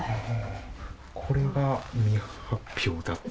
これが未発表だった。